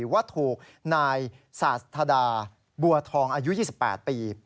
ว่าถูกนายสาธาดาบัวทองอายุ๒๘ปี